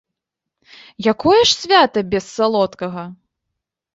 Якое ж свята без салодкага?